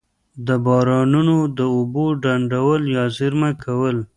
د بارانونو د اوبو ډنډول یا زیرمه کول.